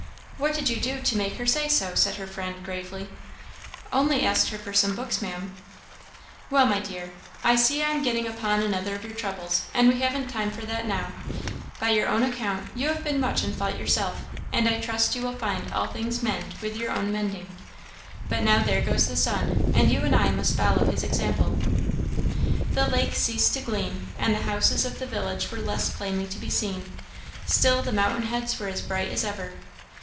"What did you do to make her say so?" said her friend, gravely. "Only asked her for some books, Maam." "Well, my dear, I see I am getting upon another of your troubles, and we haven't time for that now. By your own account, you have been much in fault yourself, and I trust you will find all things mend with your own mending. But now, there goes the sun! and you and I must follow his example." The lake ceased to gleam, and the houses of the village were less plainly to be seen; still the mountain heads were as bright as ever.